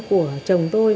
của chồng tôi